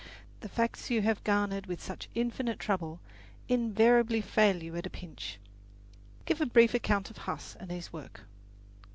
The facts you have garnered with such infinite trouble invariably fail you at a pinch. "Give a brief account of Huss and his work."